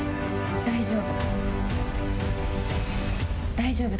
大丈夫。